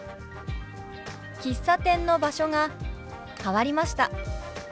「喫茶店の場所が変わりました」。